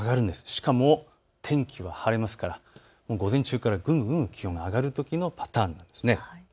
しかも天気は晴れますから午前中からぐんぐん気温が上がるときのパターンです。